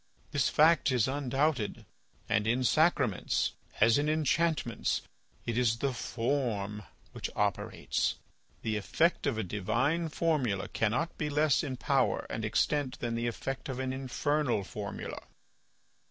This fact is undoubted. And in sacraments as in enchantments it is the form which operates. The effect of a divine formula cannot be less in power and extent than the effect of an infernal formula."